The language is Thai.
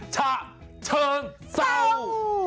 ชะเชิงเซา